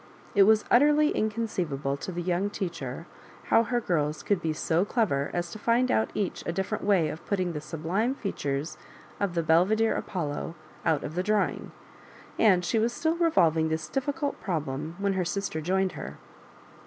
It was utterly incon ceivable to the young teacher how her girls could be so clever as to find out each a different way of putting the sublime features of the Bel veder Apollo out of the drawing, and she was still revolving this difficult problem when her sister joined her.